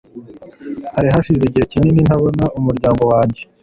Hari hashize igihe kinini ntabona umuryango wanjye.